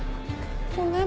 ごめん。